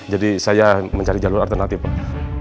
jadi saya mencari jalur alternatif pak